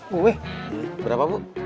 bu eh berapa bu